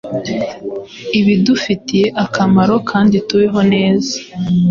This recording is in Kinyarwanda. ibidufitiye akamaro kandi tubeho neza.